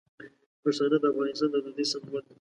پښتانه د افغانستان د ازادۍ سمبول دي.